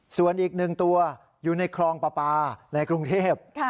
ส่วนอีก๑ตัวอยู่ในคลองปลาปลาในกรุงเทพ